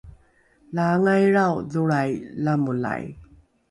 laangailrao dholrai lamolai